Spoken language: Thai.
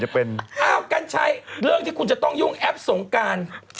ก็บอกออกรายการไงไฮโซก็นอกไง